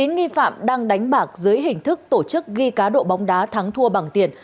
chín nghi phạm đang đánh bạc dưới hình thức tổ chức ghi cá độ bóng đá thắng thua bằng tiền